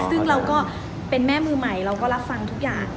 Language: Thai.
ซึ่งเราก็เป็นแม่มือใหม่เราก็รับฟังทุกอย่าง